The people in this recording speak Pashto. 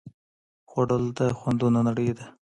خوړل د خوندونو نړۍ ده